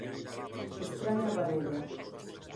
Estraña parella!